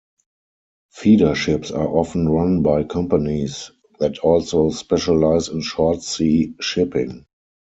Feeder ships are often run by companies that also specialize in short sea shipping.